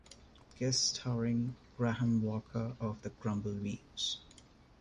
Guest starring Graham Walker of The Grumbleweeds.